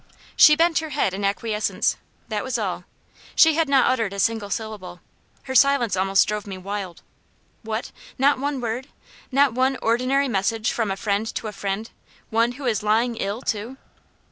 She bent her head in acquiescence that was all. She had not uttered a single syllable. Her silence almost drove me wild. "What! not one word? not one ordinary message from a friend to a friend? one who is lying ill, too!"